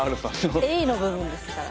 「ｅｙ」の部分ですから。